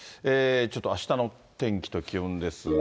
ちょっと、あしたの天気と気温ですが。